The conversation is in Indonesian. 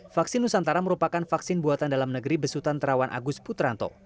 vaksin nusantara merupakan vaksin buatan dalam negeri besutan terawan agus putranto